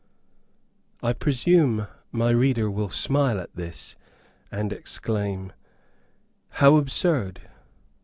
I presume my reader will smile at this, and exclaim, "How absurd!"